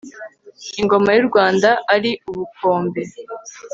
ingoma y'u rwanda ari ubukombe